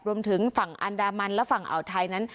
รวมถึงฝั่งอันดามันและฝั่งอ่าวไทยนั้น